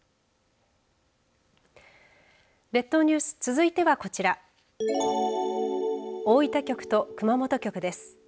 列島ニュース、続いてはこちら大分局と熊本局です。